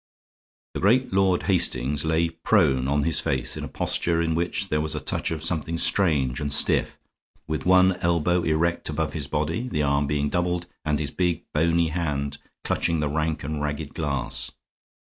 The great Lord Hastings lay prone on his face, in a posture in which there was a touch of something strange and stiff, with one elbow erect above his body, the arm being doubled, and his big, bony hand clutching the rank and ragged grass.